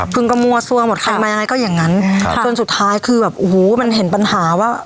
ึงก็มั่วซัวหมดใครมายังไงก็อย่างนั้นจนสุดท้ายคือแบบโอ้โหมันเห็นปัญหาว่า